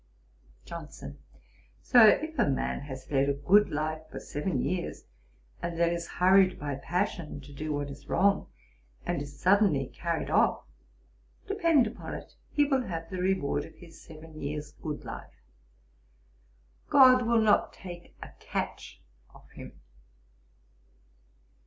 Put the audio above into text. JOHNSON. 'Sir, if a man has led a good life for seven years, and then is hurried by passion to do what is wrong, and is suddenly carried off, depend upon it he will have the reward of his seven years' good life; GOD will not take a catch of him.